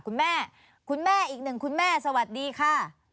คุณแม่คุณแม่อีกหนึ่งคุณแม่สวัสดีค่ะ